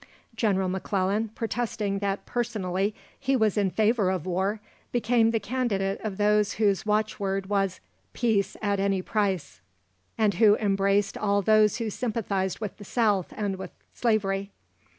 General M'Clellan, protesting that personally he was in favour of war, became the candidate of those whose watchword was "Peace at any price," and who embraced all those who sympathised with the South and with slavery.